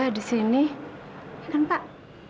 ya di sini kan pak